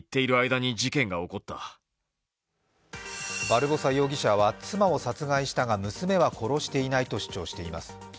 バルボサ容疑者は妻は殺したが娘は殺していないと主張しています。